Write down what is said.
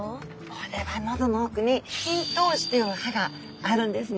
これは喉の奥に咽頭歯という歯があるんですね。